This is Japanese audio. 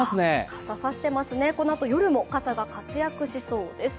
傘差していますね、このあと夜も傘が活躍しそうです。